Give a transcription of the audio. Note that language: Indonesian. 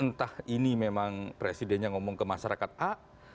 entah ini memang presidennya ngomong ke masyarakat a